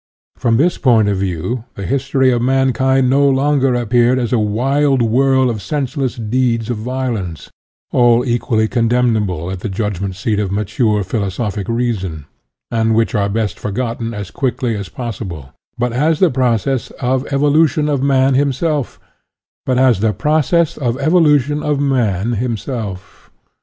From this point of view the history of mankind no longer appeared as a wild whirl of senseless deeds of violence, all equally condemnable at the judgment seat of mature philosophic reason, and which are best forgotten as quickly as possible; but as the process of evolution, of man himself.